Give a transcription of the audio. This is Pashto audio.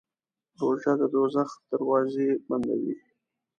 روژه د دوزخ دروازې بندوي.